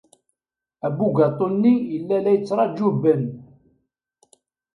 Abugaṭu-nni yella la yettṛaju Ben.